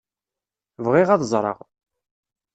Bɣiɣ ad ẓṛeɣ.